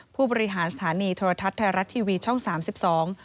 ผู้บริหารสถานีโทรทัศน์ไทยรัฐทีวีช่อง๓๒